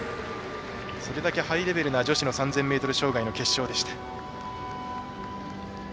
それだけハイレベルな女子３０００ｍ障害の決勝でした。